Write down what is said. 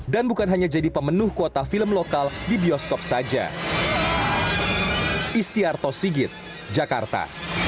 dan bukan hanya jadi pemenuh kuota film lokal di bioskop saja